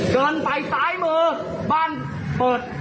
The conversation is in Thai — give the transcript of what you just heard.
เดินไปซ้ายมือบ้านเปิด